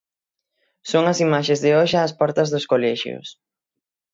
Son as imaxes de hoxe ás portas dos colexios.